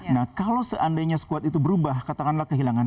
nah kalau seandainya squad itu berubah katakanlah kehilangan